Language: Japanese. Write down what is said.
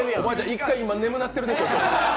１回、今眠なってるでしょ、今。